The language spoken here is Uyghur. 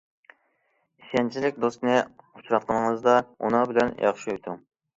ئىشەنچلىك دوستنى ئۇچراتقىنىڭىزدا، ئۇنىڭ بىلەن ياخشى ئۆتۈڭ.